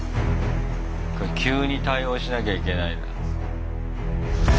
急に対応しなきゃいけないんだ。